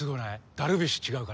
ダルビッシュ違うかな